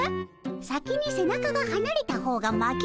先に背中がはなれた方が負けでおじゃる。